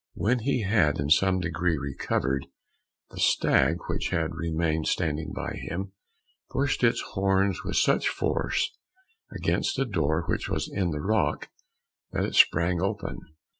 When he had in some degree recovered, the stag, which had remained standing by him, pushed its horns with such force against a door which was in the rock, that it sprang open.